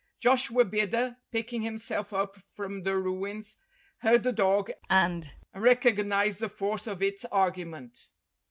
Joshua Bidder, picking himself up from the ruins, heard the dog and recognized the force of its argu ment.